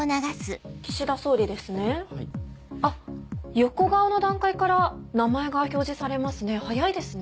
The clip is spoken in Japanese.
横顔の段階から名前が表示されますね早いですね。